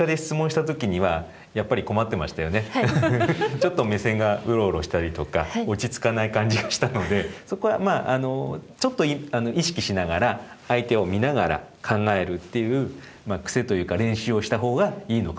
ちょっと目線がうろうろしたりとか落ち着かない感じがしたのでそこはちょっと意識しながら相手を見ながら考えるっていう癖というか練習をしたほうがいいのかもしれないですね。